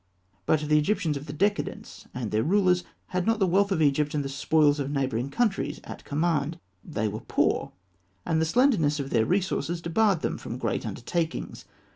But the Egyptians of the decadence, and their rulers, had not the wealth of Egypt and the spoils of neighbouring countries at command. They were poor; and the slenderness of their resources debarred them from great undertakings.